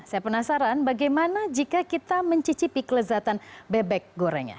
saya penasaran bagaimana jika kita mencicipi kelezatan bebek gorengnya